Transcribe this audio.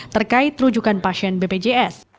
terkait rujukan pasien bpjs